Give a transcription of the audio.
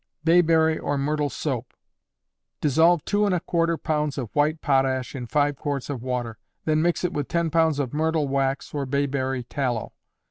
Bayberry, or Myrtle Soap. Dissolve two and a quarter pounds of white potash in five quarts of water, then mix it with ten pounds of myrtle wax, or bayberry tallow.